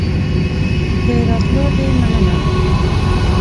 د راتلو دي مننه